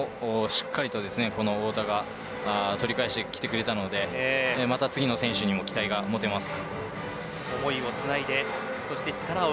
しっかりと太田が取り返してきてくれたのでまた次の選手にも期待が持てます。